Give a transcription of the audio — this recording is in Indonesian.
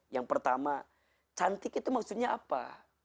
yang pertama cantik itu maksudnya apa